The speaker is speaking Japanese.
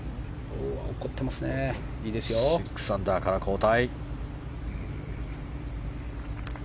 ６アンダーから後退。